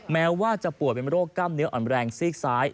แม้ว่าจะป่วยเป็นโรคกล้ามเนื้ออ่อนแรงซีกซ้าย